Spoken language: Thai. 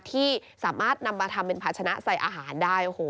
ที่สามารถนำมาทำเป็นภาชนะใส่อาหารได้